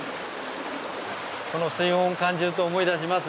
この水温を感じると思い出しますね。